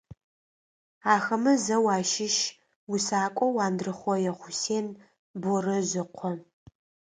Ахэмэ зэу ащыщ усакӏоу Андрыхъое Хъусен Борэжъ ыкъо.